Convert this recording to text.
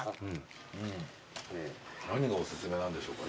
何がお薦めなんでしょうか。